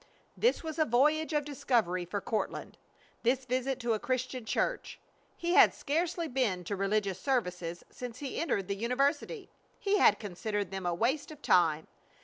This was a voyage of discovery for Courtland, this visit to a Christian church. He had scarcely been to religious services since he entered the university. He had considered them a waste of time.